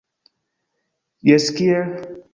Jes kiel?